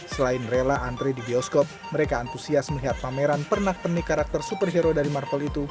selain rela antre di bioskop mereka antusias melihat pameran pernak pernik karakter superhero dari marvel itu